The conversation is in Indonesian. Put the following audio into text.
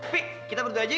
pi kita berdua aja yuk